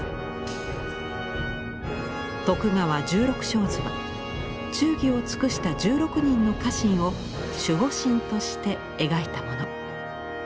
「徳川十六将図」は忠義を尽くした１６人の家臣を守護神として描いたもの。